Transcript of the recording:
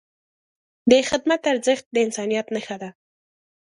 د خدمت ارزښت د انسانیت نښه ده.